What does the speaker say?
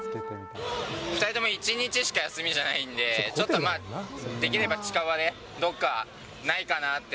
２人とも１日しか休みじゃないんで、ちょっとまあ、できれば近場でどっかないかなって。